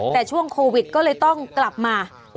แต่ช่วงโควิดก็เลยต้องกลับมา